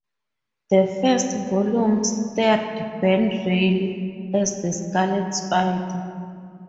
The first volume starred Ben Reilly as the Scarlet Spider.